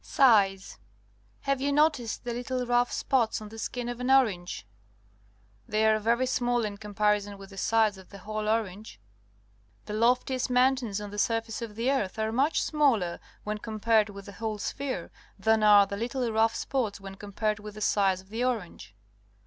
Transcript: Size. — Have you noticed the little rough spots on the skin of an orange? They are very small in comparison with the size of the whole orange. The loftiest mountains on the surface of the earth are much smaller, when compared with the whole sphere, than are the little rough spots when compared with the size of the orange.